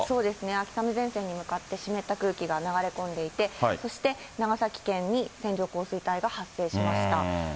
秋雨前線に向かって湿った空気が流れ込んでいて、そして長崎県に線状降水帯が発生しました。